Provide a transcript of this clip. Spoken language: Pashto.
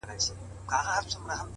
ډک لاس وتلی وم; آخر تش دس ; ته ودرېدم ;